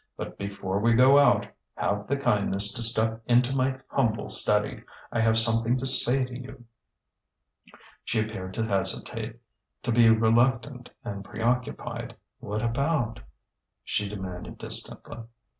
"But before we go out, have the kindness to step into my humble study. I have somewhat to say to you." She appeared to hesitate, to be reluctant and preoccupied occupied. "What about?" she demanded distantly.